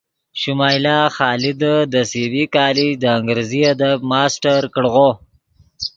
شمائلہ خادے دے سی بی کالج دے انگریزی ادب ماسٹر کڑغو